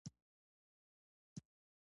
زه د سندرو کلمې یادوم.